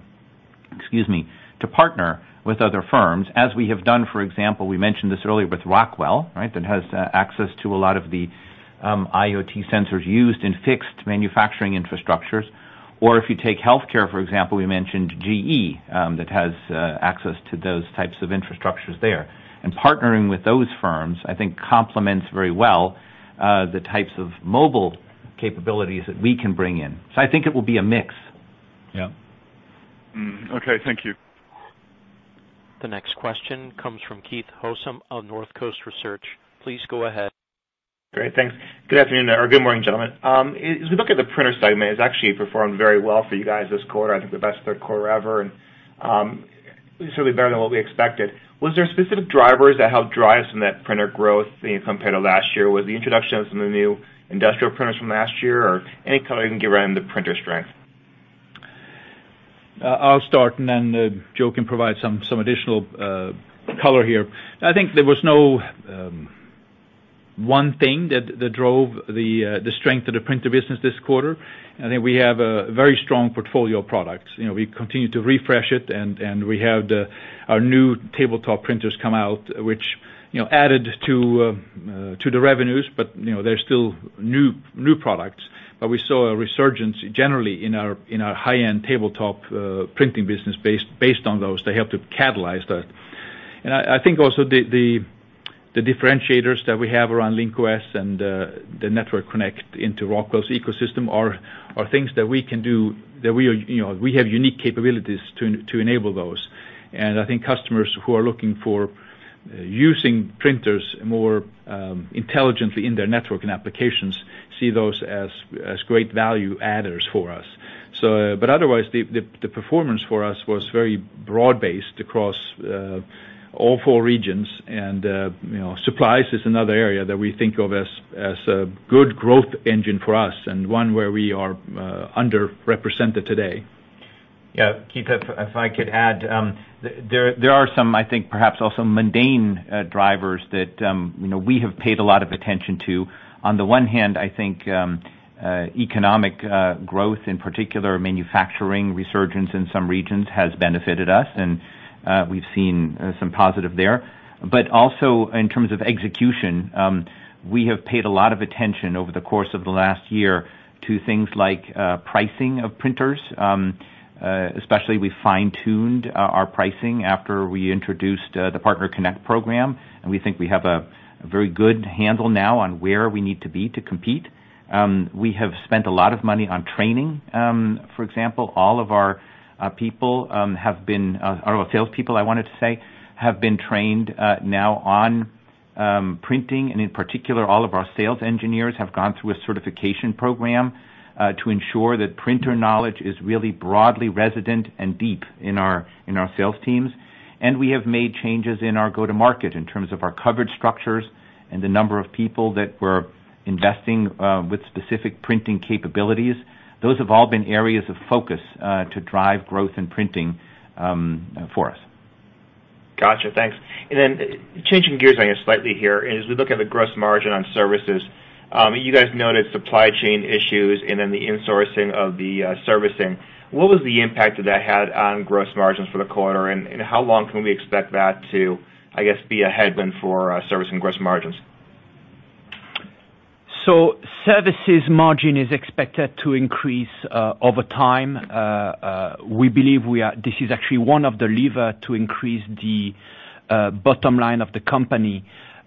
excuse me, to partner with other firms, as we have done, for example, we mentioned this earlier with Rockwell, that has access to a lot of the IoT sensors used in fixed manufacturing infrastructures. Or if you take healthcare, for example, we mentioned GE, that has access to those types of infrastructures there. Partnering with those firms, I think complements very well, the types of mobile capabilities that we can bring in. I think it will be a mix. Yeah. Okay. Thank you. The next question comes from Keith Housum of Northcoast Research. Please go ahead. Great. Thanks. Good afternoon there, or good morning, gentlemen. We look at the printer segment, it's actually performed very well for you guys this quarter. I think the best third quarter ever, and certainly better than what we expected. Was there specific drivers that helped drive some of that printer growth compared to last year? Was it the introduction of some of the new industrial printers from last year? Any color you can give around the printer strength? I'll start, then Joe can provide some additional color here. I think there was no one thing that drove the strength of the printer business this quarter. I think we have a very strong portfolio of products. We continue to refresh it, and we have our new tabletop printers come out, which added to the revenues, but they're still new products. We saw a resurgence generally in our high-end tabletop printing business based on those. They helped to catalyze that. I think also the differentiators that we have around Link-OS and the Network Connect into Rockwell's ecosystem are things that we can do. We have unique capabilities to enable those, and I think customers who are looking for using printers more intelligently in their network and applications see those as great value adders for us. Otherwise, the performance for us was very broad-based across all four regions. Supplies is another area that we think of as a good growth engine for us and one where we are underrepresented today. Keith, if I could add, there are some, I think, perhaps also mundane drivers that we have paid a lot of attention to. On the one hand, I think economic growth, in particular manufacturing resurgence in some regions, has benefited us, and we've seen some positive there. Also, in terms of execution, we have paid a lot of attention over the course of the last year to things like pricing of printers. Especially, we fine-tuned our pricing after we introduced the PartnerConnect program, and we think we have a very good handle now on where we need to be to compete. We have spent a lot of money on training. For example, all of our salespeople have been trained now on printing, and in particular, all of our sales engineers have gone through a certification program, to ensure that printer knowledge is really broadly resident and deep in our sales teams. We have made changes in our go-to-market in terms of our coverage structures and the number of people that we're investing with specific printing capabilities. Those have all been areas of focus to drive growth in printing for us. Got you. Thanks. Changing gears on you slightly here. As we look at the gross margin on services, you guys noted supply chain issues and the insourcing of the servicing. What was the impact that that had on gross margins for the quarter, and how long can we expect that to, I guess, be a headwind for service and gross margins? Services margin is expected to increase over time. We believe this is actually one of the levers to increase the bottom line of the company.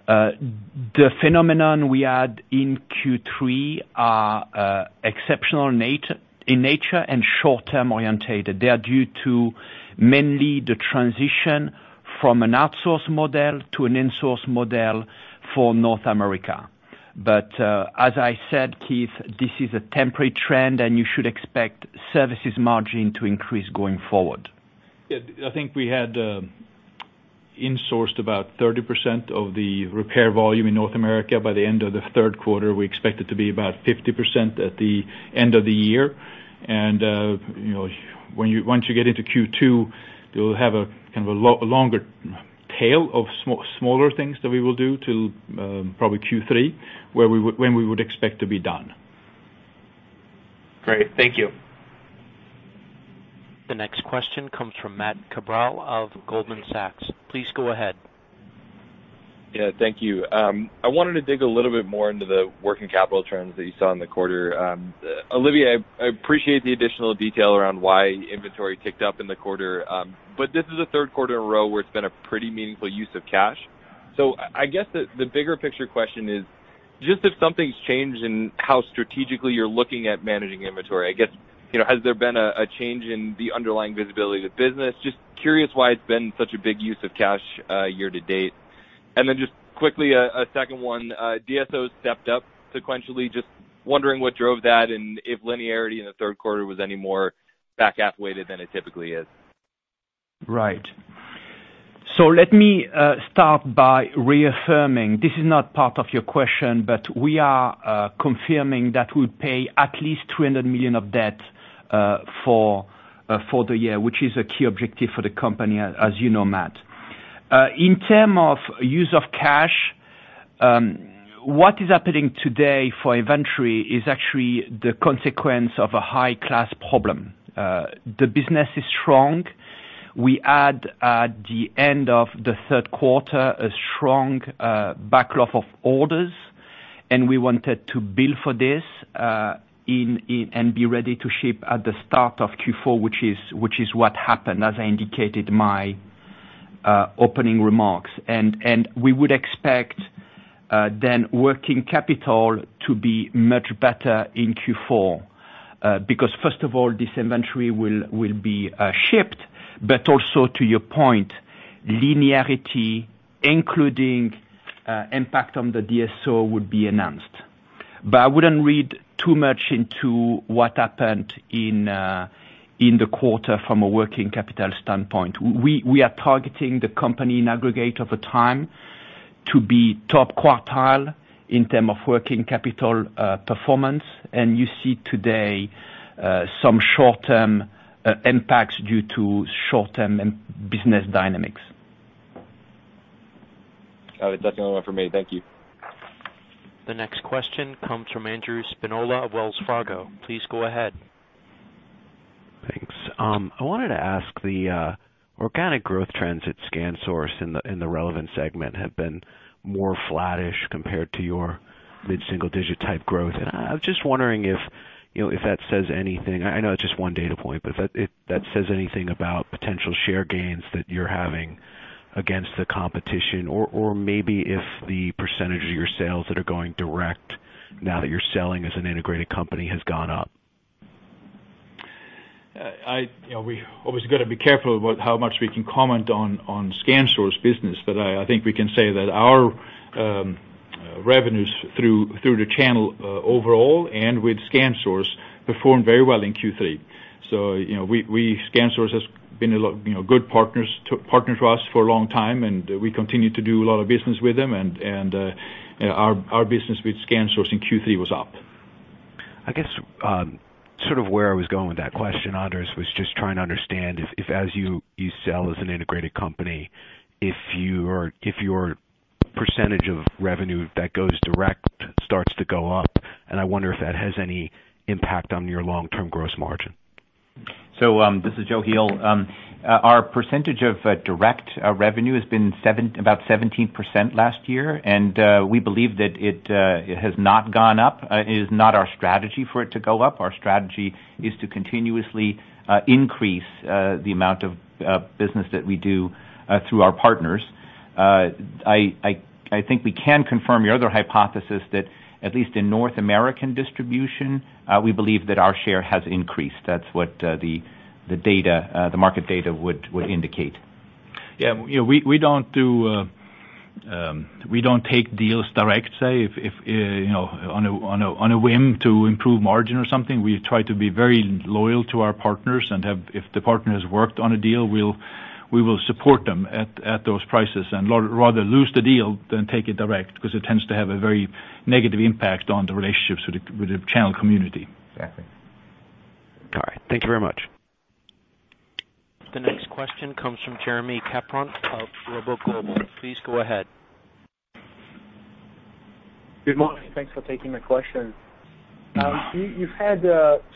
The phenomenon we had in Q3 are exceptional in nature and short-term oriented. They are due to mainly the transition from an outsource model to an insource model for North America. As I said, Keith, this is a temporary trend, and you should expect services margin to increase going forward. I think we had insourced about 30% of the repair volume in North America by the end of the third quarter. We expect it to be about 50% at the end of the year. Once you get into Q2, you'll have a longer tail of smaller things that we will do till probably Q3, when we would expect to be done. Great. Thank you. The next question comes from Matthew Cabral of Goldman Sachs. Please go ahead. Yeah, thank you. I wanted to dig a little bit more into the working capital trends that you saw in the quarter. Olivier, I appreciate the additional detail around why inventory ticked up in the quarter. This is the third quarter in a row where it's been a pretty meaningful use of cash. I guess the bigger picture question is, just if something's changed in how strategically you're looking at managing inventory, I guess, has there been a change in the underlying visibility of the business? Just curious why it's been such a big use of cash year-to-date. Just quickly, a second one. DSO stepped up sequentially. Just wondering what drove that and if linearity in the third quarter was any more back half-weighted than it typically is. Right. Let me start by reaffirming, this is not part of your question, we are confirming that we'll pay at least $200 million of debt for the year, which is a key objective for the company, as you know, Matt. In terms of use of cash, what is happening today for inventory is actually the consequence of a high-class problem. The business is strong. We had, at the end of the third quarter, a strong backlog of orders, we wanted to build for this and be ready to ship at the start of Q4, which is what happened, as I indicated my opening remarks. We would expect working capital to be much better in Q4. First of all, this inventory will be shipped. Also to your point, linearity, including impact on the DSO, would be enhanced. I wouldn't read too much into what happened in the quarter from a working capital standpoint. We are targeting the company in aggregate over time to be top quartile in terms of working capital performance. You see today some short-term impacts due to short-term business dynamics. That's the only one for me. Thank you. The next question comes from Andrew Spinola of Wells Fargo. Please go ahead. Thanks. I wanted to ask, the organic growth trends at ScanSource in the relevant segment have been more flattish compared to your mid-single digit type growth. I was just wondering if that says anything. I know it's just one data point, but if that says anything about potential share gains that you're having against the competition or maybe if the percentage of your sales that are going direct now that you're selling as an integrated company has gone up. We obviously got to be careful about how much we can comment on ScanSource business, I think we can say that our revenues through the channel overall and with ScanSource performed very well in Q3. ScanSource has been a good partner to us for a long time, and we continue to do a lot of business with them. Our business with ScanSource in Q3 was up. I guess sort of where I was going with that question, Anders, was just trying to understand if as you sell as an integrated company, if your percentage of revenue that goes direct starts to go up, and I wonder if that has any impact on your long-term gross margin. This is Joachim Heel. Our percentage of direct revenue has been about 17% last year, and we believe that it has not gone up. It is not our strategy for it to go up. Our strategy is to continuously increase the amount of business that we do through our partners. I think we can confirm your other hypothesis that at least in North American distribution, we believe that our share has increased. That's what the market data would indicate. Yeah. We don't take deals direct, say, on a whim to improve margin or something. We try to be very loyal to our partners, and if the partner has worked on a deal, we will support them at those prices and rather lose the deal than take it direct, because it tends to have a very negative impact on the relationships with the channel community. Exactly. All right. Thank you very much. The next question comes from Jeremie Capron of ROBO Global. Please go ahead. Good morning. Thanks for taking my question. You've had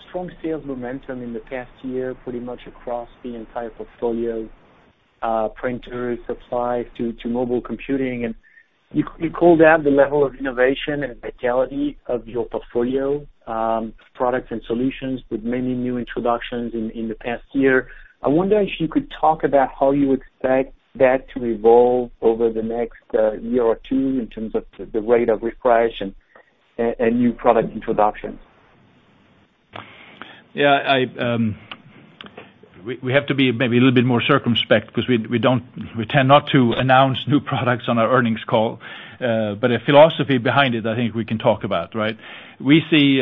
strong sales momentum in the past year, pretty much across the entire portfolio, printers, supplies to mobile computing. You call that the level of innovation and vitality of your portfolio products and solutions with many new introductions in the past year. I wonder if you could talk about how you expect that to evolve over the next year or two in terms of the rate of refresh and new product introduction. We have to be maybe a little bit more circumspect because we tend not to announce new products on our earnings call. The philosophy behind it, I think we can talk about, right? We see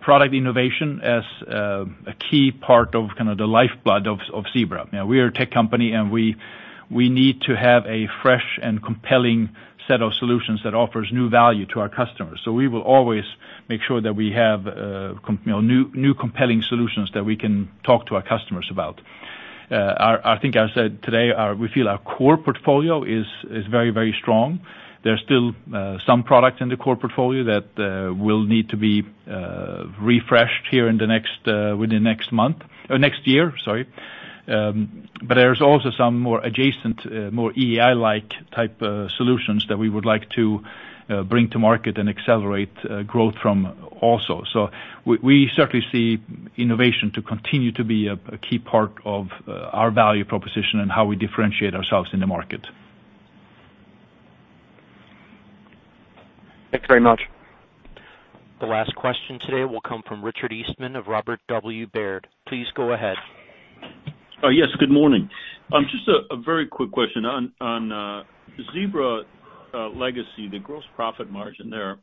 product innovation as a key part of kind of the lifeblood of Zebra. We are a tech company, we need to have a fresh and compelling set of solutions that offers new value to our customers. We will always make sure that we have new compelling solutions that we can talk to our customers about. I think I said today, we feel our core portfolio is very strong. There's still some products in the core portfolio that will need to be refreshed here within next year. There's also some more adjacent, more EAI-like type solutions that we would like to bring to market and accelerate growth from also. We certainly see innovation to continue to be a key part of our value proposition and how we differentiate ourselves in the market. Thanks very much. The last question today will come from Richard Eastman of Robert W. Baird. Please go ahead. Yes, good morning. Just a very quick question on Zebra Legacy, the gross profit margin there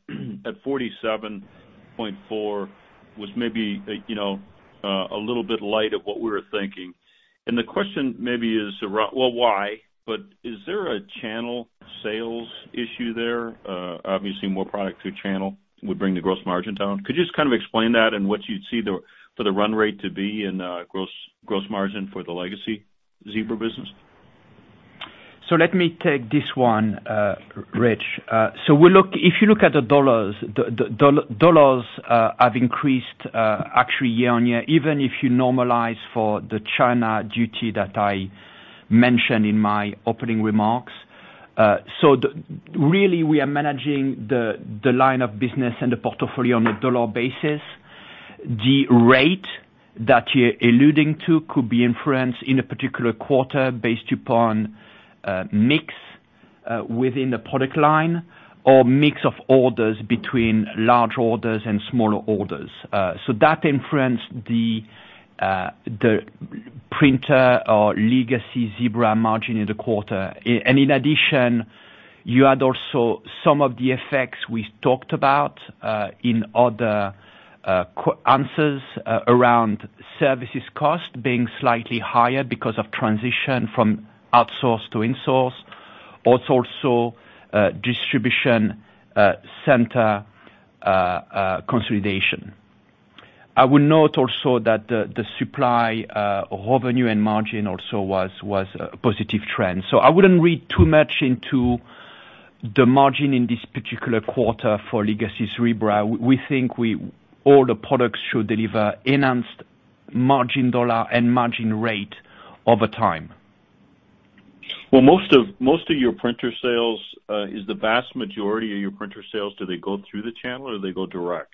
at 47.4% was maybe a little bit light of what we were thinking. The question maybe is, well, why? Is there a channel sales issue there? Obviously, more product through channel would bring the gross margin down. Could you just kind of explain that and what you'd see for the run rate to be in gross margin for the Legacy Zebra business? Let me take this one, Rich. If you look at the dollars have increased actually year-over-year, even if you normalize for the China duty that I mentioned in my opening remarks. Really, we are managing the line of business and the portfolio on a dollar basis. The rate that you're alluding to could be influenced in a particular quarter based upon mix within the product line or mix of orders between large orders and smaller orders. That influenced the printer or Legacy Zebra margin in the quarter. In addition, you had also some of the effects we talked about in other answers around services cost being slightly higher because of transition from outsource to insource. Also distribution center consolidation. I would note also that the supply revenue and margin also was a positive trend. I wouldn't read too much into the margin in this particular quarter for legacy Zebra. We think all the products should deliver enhanced margin dollar and margin rate over time. Well, the vast majority of your printer sales, do they go through the channel, or do they go direct?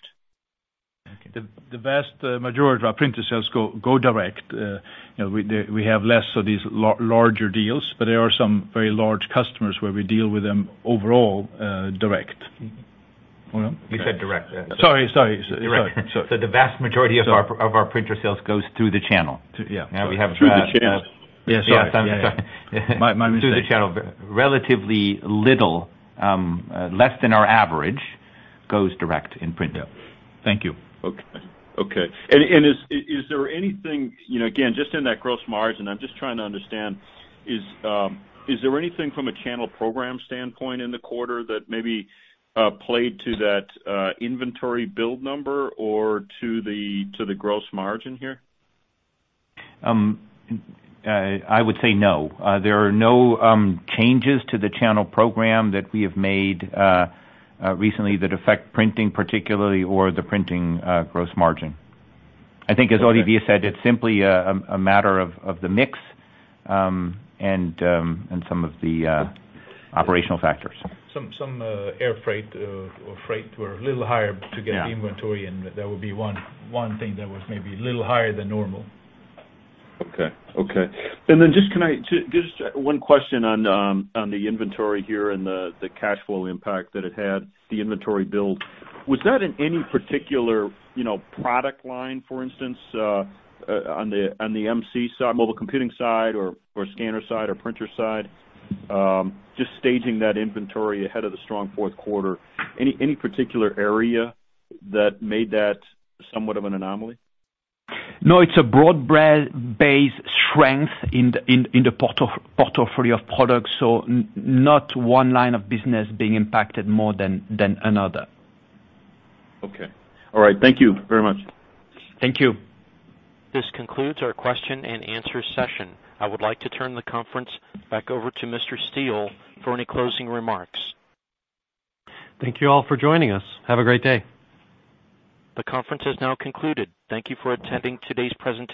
Okay. The vast majority of our printer sales go direct. We have less of these larger deals, but there are some very large customers where we deal with them overall direct. Hold on. You said direct. Yeah. Sorry. The vast majority of our printer sales goes through the channel. Yeah. Through the channel. Yes. Sorry. My mistake. Through the channel. Relatively little, less than our average, goes direct in print. Thank you. Okay. Is there anything, again, just in that gross margin, I'm just trying to understand, is there anything from a channel program standpoint in the quarter that maybe played to that inventory build number or to the gross margin here? I would say no. There are no changes to the channel program that we have made recently that affect printing particularly, or the printing gross margin. I think as Olivier said, it's simply a matter of the mix and some of the operational factors. Some air freight or freight were a little higher to get the inventory in. That would be one thing that was maybe a little higher than normal. Okay. Just one question on the inventory here and the cash flow impact that it had, the inventory build. Was that in any particular product line, for instance, on the MC side, mobile computing side or scanner side or printer side? Just staging that inventory ahead of the strong fourth quarter. Any particular area that made that somewhat of an anomaly? No, it's a broad-based strength in the portfolio of products. Not one line of business being impacted more than another. Okay. All right. Thank you very much. Thank you. This concludes our question and answer session. I would like to turn the conference back over to Mr. Steele for any closing remarks. Thank you all for joining us. Have a great day. The conference has now concluded. Thank you for attending today's presentation.